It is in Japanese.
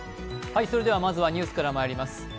それではまずニュースからまいります。